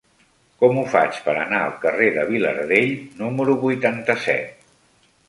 Com ho faig per anar al carrer de Vilardell número vuitanta-set?